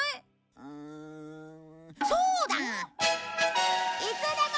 うんそうだ！